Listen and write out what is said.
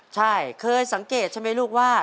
ใช่เคยสังเกตใช่ไหมลูกว่า